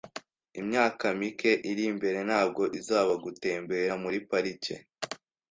Imyaka mike iri imbere ntabwo izaba gutembera muri parike .